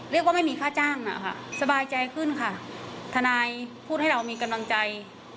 เรียกว่าไม่มีค่าจ้างนะคะสบายใจขึ้นค่ะทนายพูดให้เรามีกำลังใจ